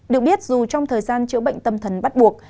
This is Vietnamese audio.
được biết dù trong thời gian chữa bệnh tâm thần bắt buộc